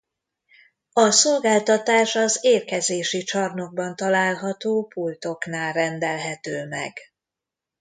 A szolgáltatás az érkezési csarnokban található pultoknál rendelhető meg.